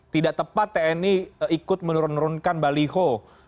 tidak tepat tni ikut menurunkan baliho